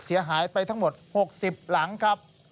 เสียหายไปทั้งหมด๖๐หลังครับ